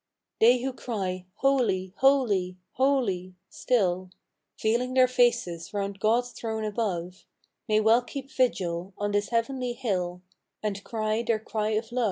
They who cry " Holy, Holy, Holy," still Veiling their faces round God's Throne above, May well keep vigil on this heavenly hill And cry their cry of love.